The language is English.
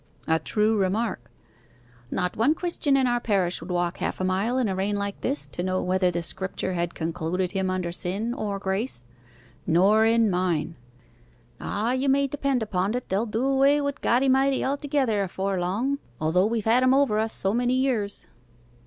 'A true remark.' 'Not one Christian in our parish would walk half a mile in a rain like this to know whether the Scripture had concluded him under sin or grace.' 'Nor in mine.' 'Ah, you may depend upon it they'll do away wi' Goddymity altogether afore long, although we've had him over us so many years.